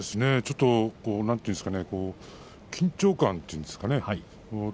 ちょっと緊張感というんですかね